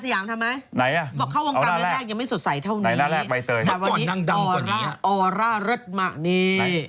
ยังไม่สดใสเท่านี้มากก่อนก็ดัมกว่านี้